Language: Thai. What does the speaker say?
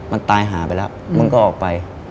มันตายหาไปแล้วมึงก็ออกไป